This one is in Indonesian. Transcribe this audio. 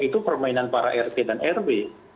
itu permainan para rt dan rw